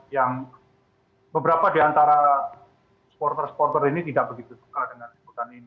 yang beberapa diantara supporter supporter ini tidak begitu suka dengan peliputan ini